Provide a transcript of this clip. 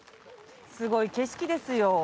すごい景色ですよ。